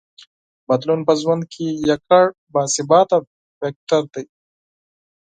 بدلون په ژوند کې یوازینی باثباته فکټور دی.